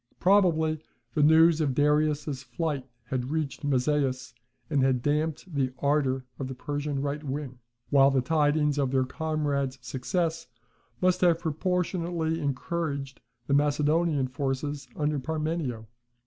Probably the news of Darius's flight had reached Mazaeus, and had damped the ardour of the Persian right wing; while the tidings of their comrades' success must have proportionally encouraged the Macedonian forces under Parmenio.